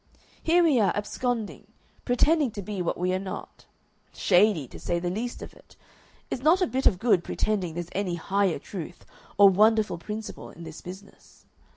Here we are absconding, pretending to be what we are not; shady, to say the least of it. It's not a bit of good pretending there's any Higher Truth or wonderful principle in this business.